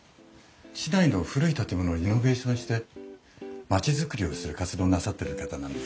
市内の古い建物をリノベーションして町づくりをする活動をなさってる方なんですよ。